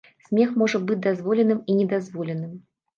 Смех можа быць дазволеным і недазволеным.